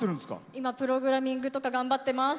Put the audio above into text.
今、プログラミングとか頑張ってます。